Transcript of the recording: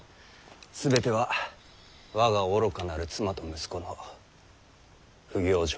全ては我が愚かなる妻と息子の不行状ゆえ。